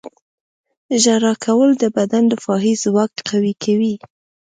• ژړا کول د بدن دفاعي ځواک قوي کوي.